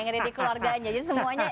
ngedidik keluarganya jadi semuanya